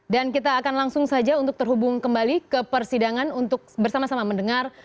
dan kita akan langsung saja untuk terhubung kembali ke persidangan untuk bersama sama mendengar